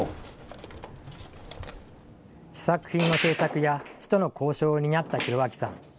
試作品の製作や、市との交渉を担った広彰さん。